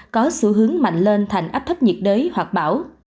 có xu hướng mạnh lên thành áp thấp nhiệt đới hoặc bão